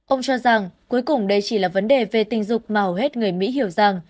ông cho rằng cuối cùng đây chỉ là vấn đề về tình dục mà hầu hết người mỹ hiểu rằng